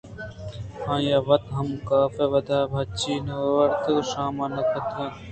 آئیءَ وت ہم کاف ءِ ودار ءَ ہچی نہ وارتگ ءُشام نہ کُتگ اَت